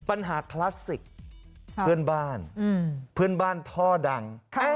คลาสสิกเพื่อนบ้านเพื่อนบ้านท่อดัง